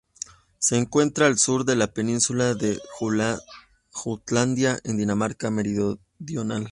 Se encuentra al sur de la península de Jutlandia, en la Dinamarca Meridional.